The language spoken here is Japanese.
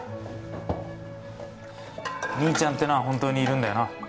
兄ちゃんは本当にいるんだよな？